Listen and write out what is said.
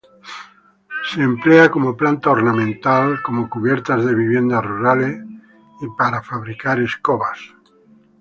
Se emplea como planta ornamental, como cubiertas de viviendas rurales y para fabricar escobas.